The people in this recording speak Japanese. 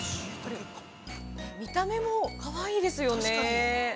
◆見た目もかわいいですよね。